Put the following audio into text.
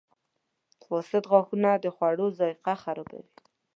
• فاسد غاښونه د خوړو ذایقه خرابوي.